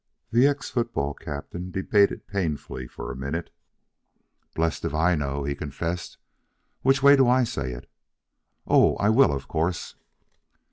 The ex football captain debated painfully for a minute. "Blessed if I know," he confessed. "Which way do I say it?" "Oh, I will, of course."